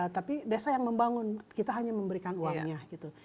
tapi desa yang membangun kita hanya memberikan uangnya gitu